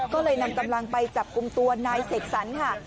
ก็เลยนำกำลังไปจับกลุ่มตัวนายเสกสรรค่ะ